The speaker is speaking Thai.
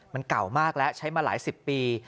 มันเก่ามากแล้วใช้มาหลายสิบปี